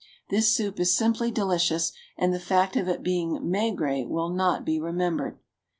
This soup is simply delicious, and the fact of it being maigre will not be remembered.